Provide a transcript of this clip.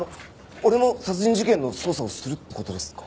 俺も殺人事件の捜査をするって事ですか？